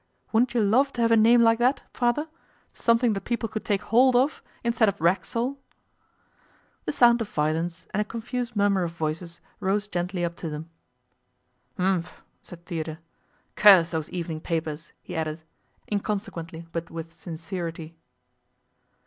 Wouldn't you love to have a name like that, Father something that people could take hold of instead of Racksole?' The sound of violins and a confused murmur of voices rose gently up to them. 'Umphl' said Theodore. 'Curse those evening papers!' he added, inconsequently but with sincerity.